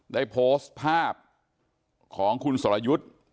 ได้โพสต์ภาพของคุณสรยุทธ์